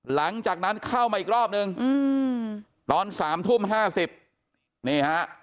หลังจากนั้นเข้ามาอีกรอบนึงตอน๓ทุ่ม๕๐นี่ฮะ